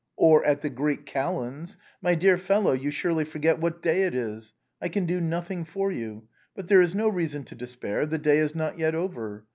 " Or at the Greek Calends. My dear fellow, you surely forget what day it is. I can do nothing for you. But there is no reason to despair ; the day is not yet over.